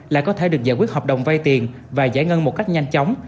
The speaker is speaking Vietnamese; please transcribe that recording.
lại có thể được giải quyết hợp đồng vay tiền và giải ngân một cách nhanh chóng